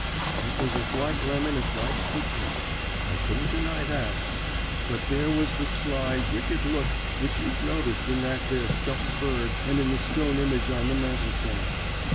"It was as like Lemon as like could be I couldn't deny that; but there was the sly, wicked look which you've noticed in that there stuffed bird and in the stone image on the mantelshelf.